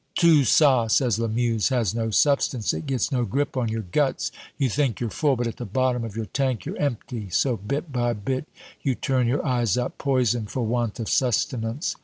"Tout ca," says Lamuse, "has no substance; it gets no grip on your guts. You think you're full, but at the bottom of your tank you're empty. So, bit by bit, you turn your eyes up, poisoned for want of sustenance."